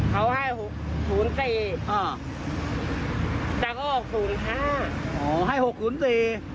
เขาให้ศูนย์สี่